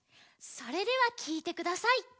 それではきいてください。